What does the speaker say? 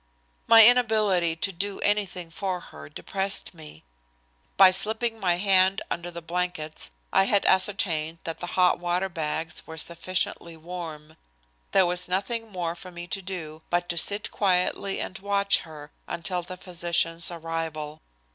My inability to do anything for her depressed me. By slipping my hand under the blankets I had ascertained that the hot water bags were sufficiently warm. There was nothing more for me to do but to sit quietly and watch her until the physician's arrival.